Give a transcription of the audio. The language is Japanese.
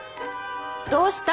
どうした？